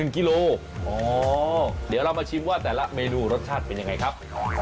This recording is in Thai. กิโลเดี๋ยวเรามาชิมว่าแต่ละเมนูรสชาติเป็นยังไงครับ